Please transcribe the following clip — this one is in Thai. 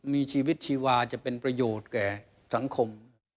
มีชีวิตชีวาจะเป็นประโยชน์แก่สังคม